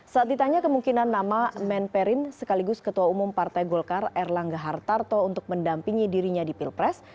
saat ditanya kemungkinan nama menperin sekaligus ketua umum partai golkar erlangga hartarto untuk mendampingi dirinya di pilpres